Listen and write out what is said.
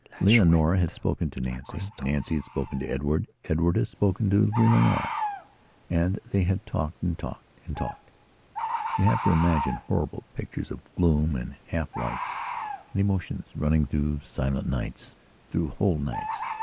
Leonora had spoken to Nancy; Nancy had spoken to Edward; Edward had spoken to Leonoraand they had talked and talked. And talked. You have to imagine horrible pictures of gloom and half lights, and emotions running through silent nightsthrough whole nights.